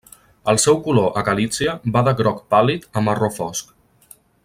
El seu color a Galítsia va de groc pàl·lid a marró fosc.